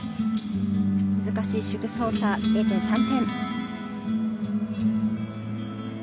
難しい手具操作０．３点。